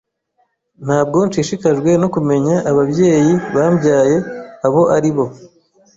Ntabwo nshishikajwe no kumenya ababyeyi bambyaye abo ari bo.